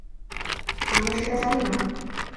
আমরা সেটা জানি না।